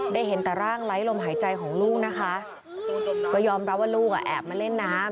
ได้เห็นแต่ร่างไร้ลมหายใจของลูกนะคะก็ยอมรับว่าลูกอ่ะแอบมาเล่นน้ำ